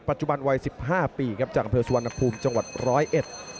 ปัจจุบันวัย๑๕ปีครับจากอำเภอสุวรรณภูมิจังหวัดร้อยเอ็ด